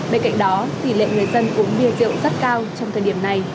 bên cạnh đó tỷ lệ người dân uống bia rượu rất cao trong thời điểm này